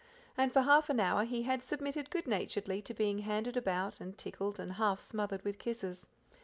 And for half an hour, he had submitted good temperedly to being handed about and tickled and half smothered with kisses.